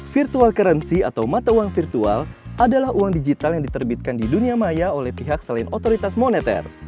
virtual currency atau mata uang virtual adalah uang digital yang diterbitkan di dunia maya oleh pihak selain otoritas moneter